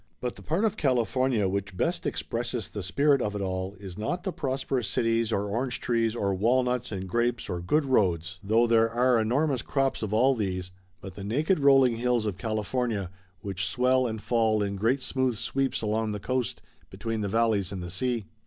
But the part of California which best expresses the spirit of it all is not the pros Laughter Limited 323 perous cities or orange trees or walnuts and grapes or good roads, though there are enormous crops of all these, but the naked rolling hills of California which swell and fall in great smooth sweeps along the coast between the valleys and the sea.